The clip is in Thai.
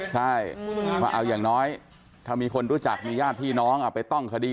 ใช่ว่าเอาอย่างน้อยถ้ามีคนรู้จักมีญาติพี่น้องเอาไปต้องคดี